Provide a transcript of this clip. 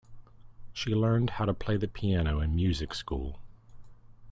She learned how to play the piano in music school.